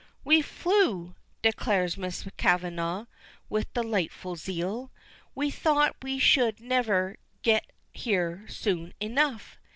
"We flew!" declares Miss Kavanagh, with delightful zeal. "We thought we should never get here soon enough.